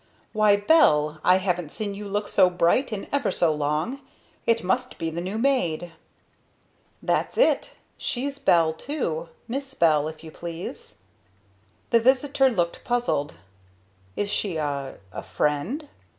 "Why, Belle! I haven't seen you look so bright in ever so long. It must be the new maid!" "That's it she's 'Bell' too 'Miss Bell' if you please!" The visitor looked puzzled. "Is she a a friend?"